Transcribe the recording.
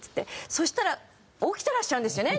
そしたら起きてらっしゃるんですよね